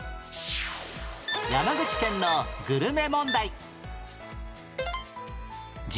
山口県のグルメ問題